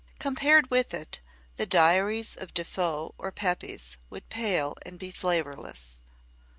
Compared with it, the diaries of Defoe and Pepys would pale and be flavourless.